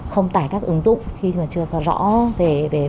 không tải các ứng dụng khi mà chưa có rõ về tài sản